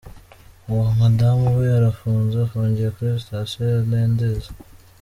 uwo mudamu we arafunze, afungiye kuri sitasiyo ya ntendezi.